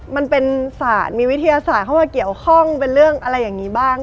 มันเป็นศาสตร์มีวิทยาศาสตร์เข้ามาเกี่ยวข้องเป็นเรื่องอะไรอย่างนี้บ้าง